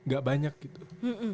gak banyak gitu